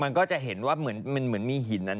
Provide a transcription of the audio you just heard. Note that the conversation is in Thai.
มันก็จะเห็นว่าเหมือนมีหินนั้น